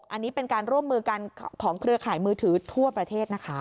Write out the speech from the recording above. อันนี้เป็นการร่วมมือกันของเครือข่ายมือถือทั่วประเทศนะคะ